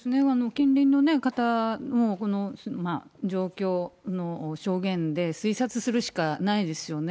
近隣の方の状況の証言で推察するしかないですよね。